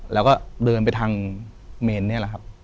แล้วก็เดินไปทางเมนนี่แหละครับ